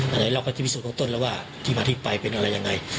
อะไรเราก็จะพิสูจนต้นแล้วว่าที่มาที่ไปเป็นอะไรยังไง